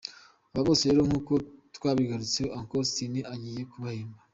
Aba bose rero nkuko twabigarutseho Uncle Austin agiye kubahemba.